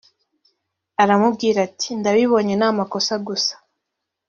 aramubwira ati “ ndabibonye ni amakosa gusa..”